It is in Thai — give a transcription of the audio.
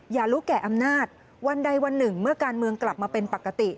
อย่ารู้แก่อำนาจวันใดวันหนึ่งเมื่อการเมืองกลับมาเป็นปกติ